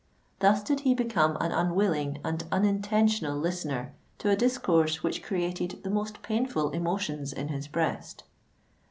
Thus did he become an unwilling and unintentional listener to a discourse which created the most painful emotions in his breast.